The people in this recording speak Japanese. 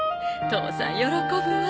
父さん喜ぶわ。